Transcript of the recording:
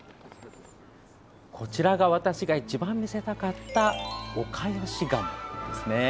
こちらが私が一番見せたかったオカヨシガモです。